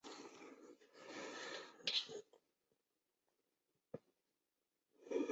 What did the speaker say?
北九州短期大学是一所位于日本福冈县北九州市八幡西区的私立短期大学。